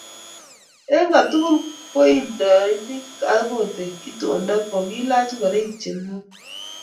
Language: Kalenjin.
eng kotugul koindeni Akothee itondo kokiilach ngoroik chenuok